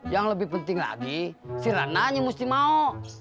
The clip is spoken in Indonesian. yang lebih penting lagi si rananya mesti mau